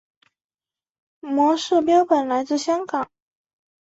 模式标本来自香港。